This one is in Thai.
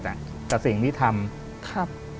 จากต้องสิ่งที่ทำ